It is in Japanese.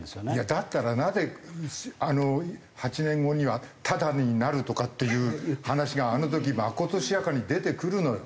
だったらなぜ８年後にはタダになるとかっていう話があの時まことしやかに出てくるのよ？